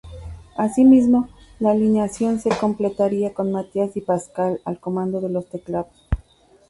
Asimismo, la alineación se completaría con Matias Di Pasquale, al comando de los teclados.